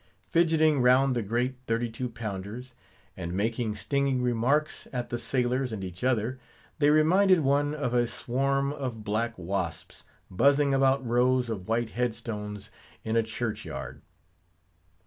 Fidgeting round the great thirty two pounders, and making stinging remarks at the sailors and each other, they reminded one of a swarm of black wasps, buzzing about rows of white headstones in a church yard.